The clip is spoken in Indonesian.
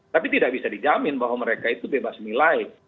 tapi tidak bisa dijamin bahwa mereka itu bebas nilai